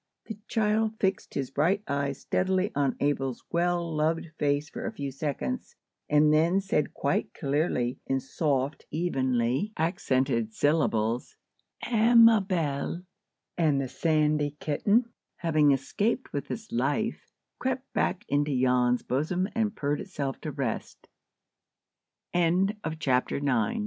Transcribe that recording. The child fixed his bright eyes steadily on Abel's well loved face for a few seconds, and then said quite clearly, in soft, evenly accented syllables,— "Amabel." And the sandy kitten, having escaped with its life, crept back into Jan's bosom and purred itself to rest. CHAPTER X. ABEL AT HOME.—JAN OBJECTS TO THE MILLER'S